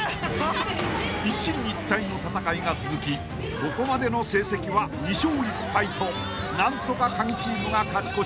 ［一進一退の戦いが続きここまでの成績は２勝１敗と何とかカギチームが勝ち越し］